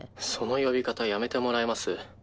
「その呼び方やめてもらえます？」